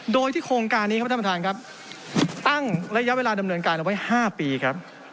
โดยที่โครงการนี้ครับท่านประธานครับตั้งระยะเวลาดำเนินการเอาไว้๕ปีครับ